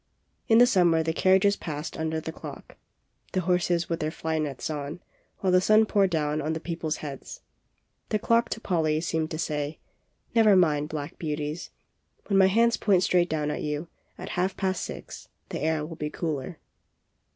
In the summer the carriages passed under the clock, the horses with their fly nets on, while the sun poured down on the peoples' heads. The clock seemed to Polly to say: "Never mind. Black Beauties, when my hands point straight down at you, at half past six, the air will be cooler."